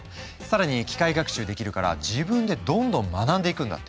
更に機械学習できるから自分でどんどん学んでいくんだって。